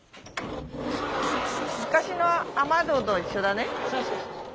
昔の雨戸と一緒だね。